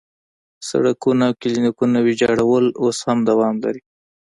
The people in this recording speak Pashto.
سړکونه او کلینیکونه ویجاړول اوس هم دوام لري.